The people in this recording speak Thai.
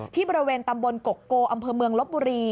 ที่บริเวณตำบลกกโกอำเภอเมืองลบบุรี